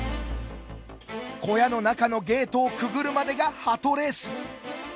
小屋の中のゲートをくぐるまでがハトレース！